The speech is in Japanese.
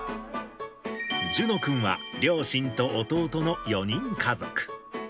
諄之君は両親と弟の４人家族。